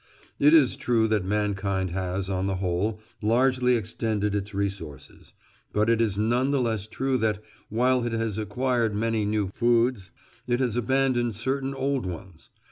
It is true that mankind has, on the whole, largely extended its resources; but it is none the less true that, while it has acquired many new foods, it has abandoned certain old ones.